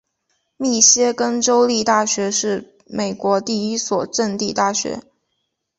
密歇根州立大学是美国第一所赠地大学。